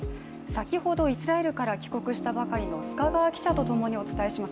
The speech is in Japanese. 先ほど、イスラエルから帰国したばかりの須賀川記者とともにお伝えします。